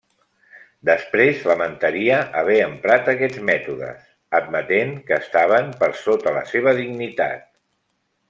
Després lamentaria haver emprat aquests mètodes, admetent que estaven per sota la seva dignitat.